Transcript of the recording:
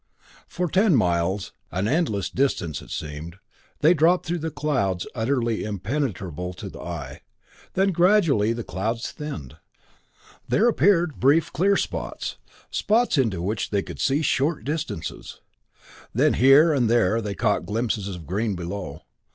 For ten miles an endless distance it seemed they dropped through clouds utterly impenetrable to the eye. Then gradually the clouds thinned; there appeared brief clear spots, spots into which they could see short distances then here and there they caught glimpses of green below.